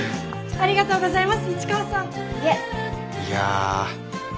ありがとうございます。